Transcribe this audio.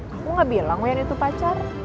aku gak bilang wayan itu pacar